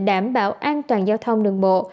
đảm bảo an toàn giao thông đường bộ